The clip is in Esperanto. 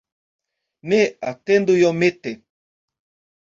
Ne, atendu iomete!